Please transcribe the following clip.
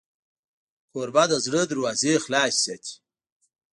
کوربه د زړه دروازې خلاصې ساتي.